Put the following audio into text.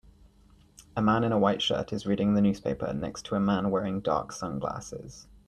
A man in a white shirt is reading the newspaper next to a man wearing dark sunglasses.